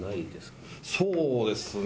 そうですね。